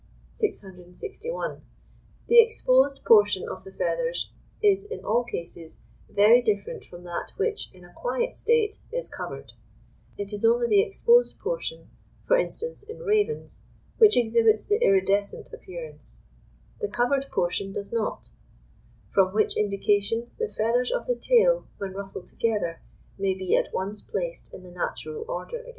661. The exposed portion of the feathers is in all cases very different from that which, in a quiet state, is covered; it is only the exposed portion, for instance, in ravens, which exhibits the iridescent appearance; the covered portion does not: from which indication, the feathers of the tail when ruffled together, may be at once placed in the natural order again.